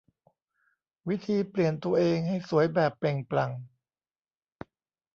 วิธีเปลี่ยนตัวเองให้สวยแบบเปล่งปลั่ง